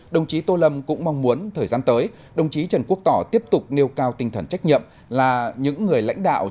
đồng chí tô lâm cũng mong muốn thời gian tới đồng chí trần quốc tỏ tiếp tục nêu cao tinh thần trách nhiệm là những người lãnh đạo